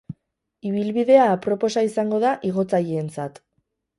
Ibilbidea aproposa izango da igotzaileentzat.